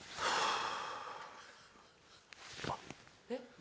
あっ。